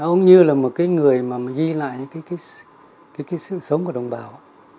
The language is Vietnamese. ông như là một cái người mà ghi lại những cái sự sống của đồng bào